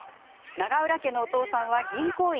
永浦家のお父さんは銀行員。